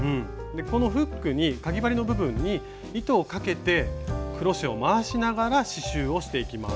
このフックにかぎ針の部分に糸をかけてクロシェを回しながら刺しゅうをしていきます。